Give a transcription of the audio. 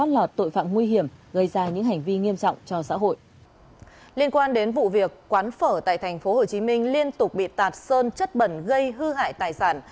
liên quan đến vụ việc quán phở tại tp hcm liên tục bị tạt sơn chất bẩn gây hư hại tài sản